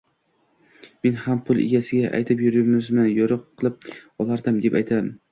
men ham pul egasiga aytib yuzimni yorug‘ qilib olardim deb aytdim.